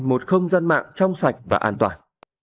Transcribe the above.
một không gian mạng trong sạch và an toàn